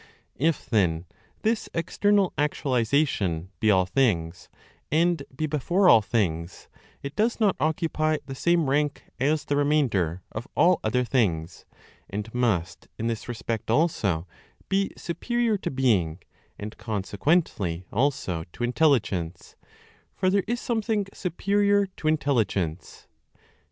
If then (this external actualization) be all things, and be before all things, it does not occupy the same rank as the remainder (of all other things); and must, in this respect also, be superior to being, and consequently also to intelligence; for there is Something superior to intelligence.